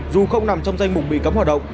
dù không nằm trong danh mục bị cấm hoạt động